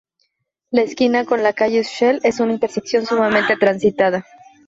La esquina con la calle Schell es una intersección sumamente transitada.